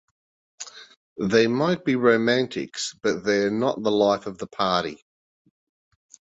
They might be romantics, but they're not the life of the party.